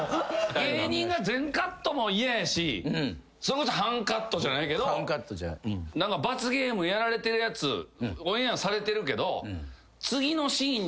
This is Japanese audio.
芸人が全カットも嫌やしそれこそ半カットじゃないけど罰ゲームやられてるやつオンエアされてるけど。